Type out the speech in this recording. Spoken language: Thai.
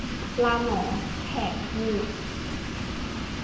ปลาหมอแถกเหงือก